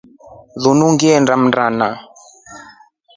Linu ngilinda mndana.